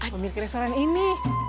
pemilik restoran ini